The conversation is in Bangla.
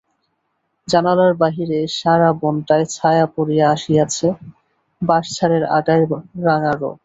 জানালার বাহিরে সারা বনটায় ছায়া পড়িয়া আসিয়াছে, বাঁশঝাড়ের আগায় রাঙা রোদ।